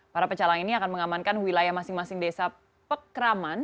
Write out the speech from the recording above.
para pecalang ini akan mengamankan wilayah masing masing desa pekraman